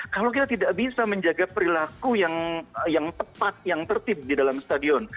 kalau kita tidak bisa menjaga perilaku yang tepat yang tertib di dalam stadion